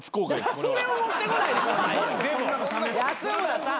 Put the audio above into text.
安村さん